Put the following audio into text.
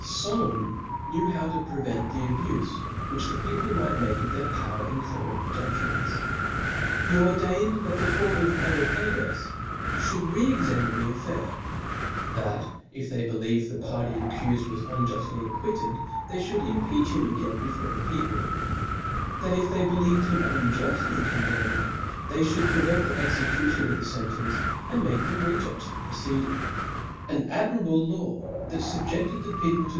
Solon knew how to prevent the abufe which the people might make of their power in criminal judg ments. He ordained, that the court of Areopagus fhould re examine the affair; that if they believed C)Dcmof the party accufed was unjuftly acquitted C"), they cor^^a^*^^ (hould impeach him again before the people; that if 494, edit, they believed him unjuftly condemned O they Ihould an!" 604. prevent the execution of the fcntence, and make them C). See re judge the proceeding. An admirable law, that tuJ's^iives fubjefted the people to.